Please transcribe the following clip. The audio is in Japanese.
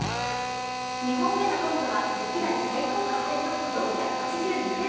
２本目のコントは歴代最高得点の４８２点。